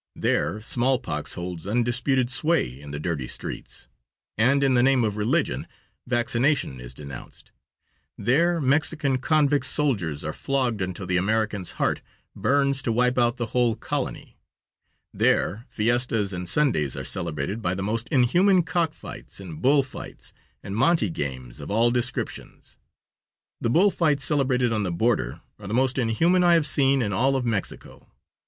There smallpox holds undisputed sway in the dirty streets, and, in the name of religion, vaccination is denounced; there Mexican convict soldiers are flogged until the American's heart burns to wipe out the whole colony; there fiestes and Sundays are celebrated by the most inhuman cock fights and bull fights, and monte games of all descriptions. The bull fights celebrated on the border are the most inhuman I have seen in all of Mexico.